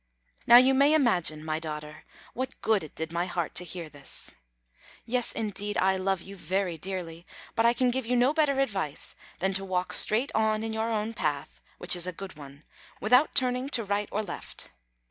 Now, you may imagine, my daughter, what good it did my heart to hear this. Yes, indeed I love you very dearly, but I can give you no better advice than to walk straight on in your own path, which is a good one, without turning to right or left.